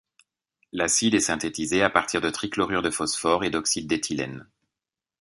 L'acide est synthétisé à partir de trichlorure de phosphore et d'oxyde d'éthylène.